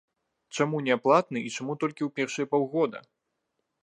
Чаму неаплатны і чаму толькі ў першыя паўгода?